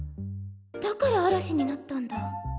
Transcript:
だからあらしになったんだ。